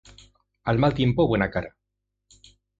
Al mal tiempo, buena cara.